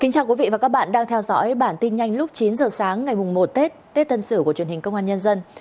chào mừng quý vị đến với bản tin nhanh lúc chín h sáng ngày một tết tết tân sử của truyền hình công an nhân dân